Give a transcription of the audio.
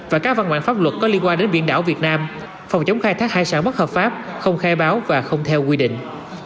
và các văn bản pháp luật có liên quan đến biển đảo việt nam phòng chống khai thác hải sản bất hợp pháp không khai báo và không theo quy định